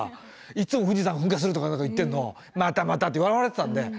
いっつも「富士山噴火する」とか言ってんのを「またまた」って笑われてたんで。